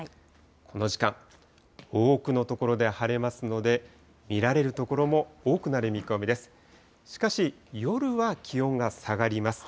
この時間、多くの所で晴れますので、見られる所も多くなる見込みです。